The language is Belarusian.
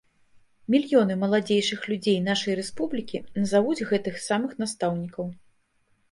Мільёны маладзейшых людзей нашай рэспублікі назавуць гэтых самых настаўнікаў.